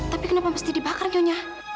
tapi kenapa mesti dibakar nyonya